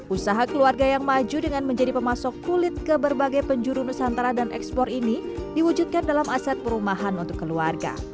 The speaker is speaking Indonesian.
usaha keluarga yang maju dengan menjadi pemasok kulit ke berbagai penjuru nusantara dan ekspor ini diwujudkan dalam aset perumahan untuk keluarga